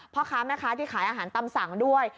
พ่อค้าแม่ค้าที่ขายอาหารตำสั่งด้วย